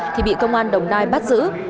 thì bị công an đồng nai bắt giữ